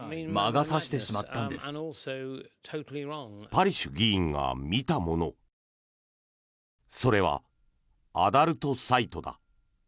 パリシュ議員が見たものそれは、アダルトサイトだ。